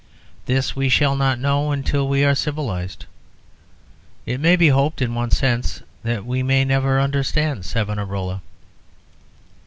This we shall not know until we are civilised. It may be hoped, in one sense, that we may never understand Savonarola.